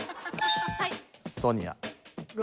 ソニア。